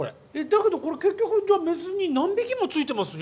だけどこれ結局じゃあメスに何匹もついてます